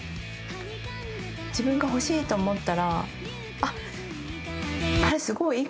自分が欲しいと思ったら。